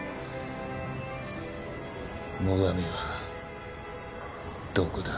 最上はどこだ？